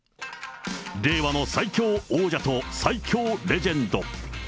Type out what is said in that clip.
令和の最強王者と、最強レジェンド。